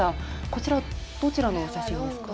こちらはどちらの写真ですか？